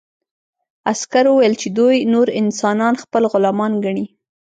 عسکر وویل چې دوی نور انسانان خپل غلامان ګڼي